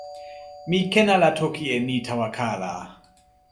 mi ken ala toki e ni tawa kala.